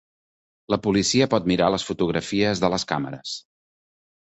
La policia pot mirar les fotografies de les càmeres.